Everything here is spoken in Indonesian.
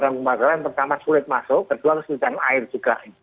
dan pemadaman pertama sulit masuk kedua sulit dan air juga